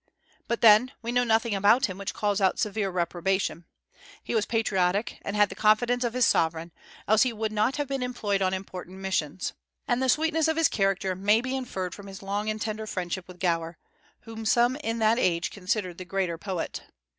But then we know nothing about him which calls out severe reprobation. He was patriotic, and had the confidence of his sovereign, else he would not have been employed on important missions. And the sweetness of his character may be inferred from his long and tender friendship with Gower, whom some in that age considered the greater poet.